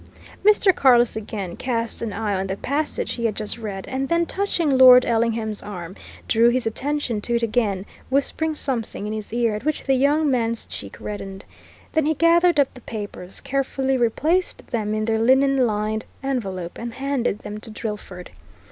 Mr. Carless again cast an eye on the passage he had just read, and then, touching Lord Ellingham's arm, drew his attention to it again, whispering something in his ear at which the young man's cheek reddened. Then he gathered up the papers, carefully replaced them in their linen lined envelope, and handed them to Drillford.